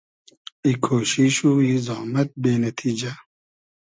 ای کۉشیش و ای زامئد بې نئتیجۂ